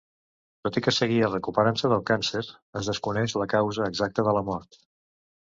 Tot i que seguia recuperant-se del càncer, es desconeix la causa exacta de la mort.